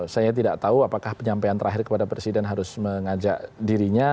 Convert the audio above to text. saya tidak tahu apakah penyampaian terakhir kepada presiden harus mengajak dirinya